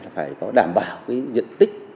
phải có đảm bảo diện tích